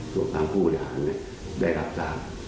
ส่วนทางผู้อาหารเนี่ยได้รับตาม